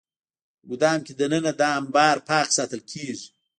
په ګدام کې دننه دا انبار پاک ساتل کېږي.